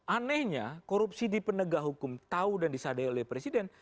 anehnya korupsi di penegak hukum tahu dan disadai oleh presiden